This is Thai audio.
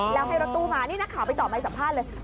แล้วให้รถตู้มานี่นักข่าวไปเจาะไม้สัมภาษณ์เลย